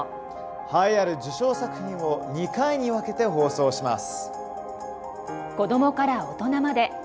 栄えある受賞作品を２回に分けて放送します。